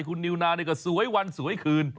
คุณนิวนานี่ก็สวยวันสวยคืน